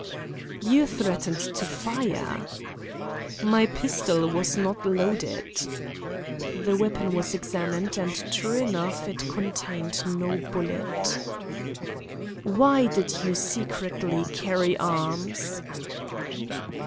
"You threatened to fire." "My pistol was not loaded." The weapon was examined, and, true enough, it contained no bullet. "Why did you secretly carry arms?"